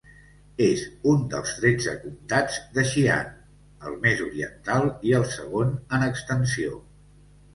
És un dels tretze comtats de Xi'an, el més oriental i el segon en extensió.